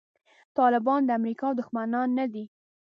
طالبان د امریکا دښمنان نه دي.